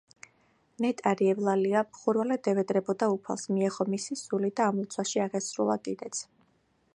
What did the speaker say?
ნეტარი ევლალია მხურვალედ ევედრებოდა უფალს, მიეღო მისი სული და ამ ლოცვაში აღესრულა კიდეც.